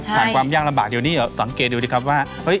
ฐานความยากลำบากเดี๋ยวนี้สอยดูสังเกตว่า